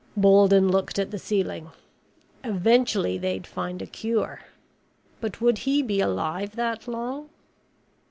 Bolden looked at the ceiling. Eventually they'd find a cure. But would he be alive that long?